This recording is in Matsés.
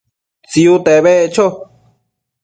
Tsiute beccho